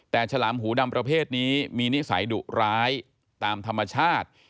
แต่ฉลามหูดำประเภทนี้มีนิสัยดุร้ายตามธรรมชาติ